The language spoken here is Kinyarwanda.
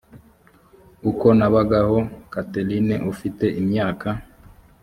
uko nabagaho catherine ufite imyaka